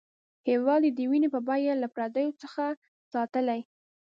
هېواد یې د وینې په بیه له پردیو څخه ساتلی.